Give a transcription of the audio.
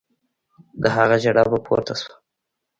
د هغه ژړا به پورته سوه.